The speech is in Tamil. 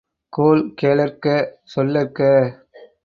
கோள் கேளற்க சொல்லற்க!